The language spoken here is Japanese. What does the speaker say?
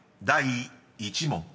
第１問］